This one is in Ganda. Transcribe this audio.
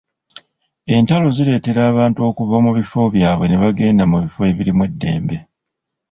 Entalo zireetera abantu okuva mu bifo byabwe ne bagenda mu bifo ebirimu eddembe.